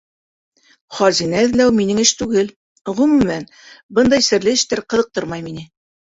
Хазина эҙләү минең эш түгел, ғөмүмән, бындай серле эштәр ҡыҙыҡтырмай мине.